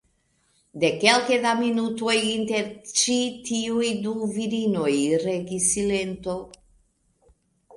De kelke da minutoj inter ĉi tiuj du virinoj regis silento.